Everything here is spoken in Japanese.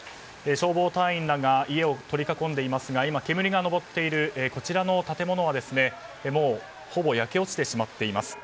消防隊員らが家を取り囲んでいますが今、煙が上っているこちらの建物はもうほぼ焼け落ちてしまっています。